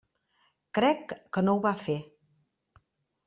Crec que no ho va fer.